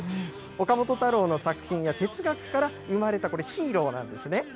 岡本太郎の作品や哲学から生まれたヒーローなんですね。